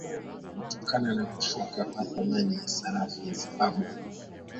kutokana na kushuka kwa thamani ya sarafu ya Zimbabwe